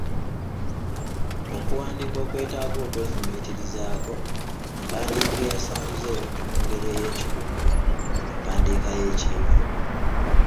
Okuwandiika okwetaaga okwefumiitirizaako, empandiika eyasanguza ebintu mu ngeri y’ekikugu, empandiika y’ekiyivu.